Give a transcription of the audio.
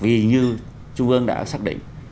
vì như trung ương đã xác định